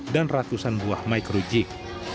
dan ratusan buah micro jig